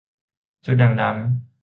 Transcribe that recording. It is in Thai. จุดด่างดำ